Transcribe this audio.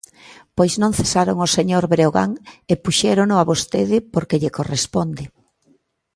Pois non cesaron ao señor Breogán, e puxérono a vostede porque lle corresponde.